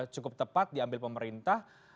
cukup tepat diambil pemerintah